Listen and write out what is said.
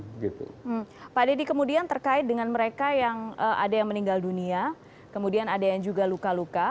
pak dedy kemudian terkait dengan mereka yang ada yang meninggal dunia kemudian ada yang juga luka luka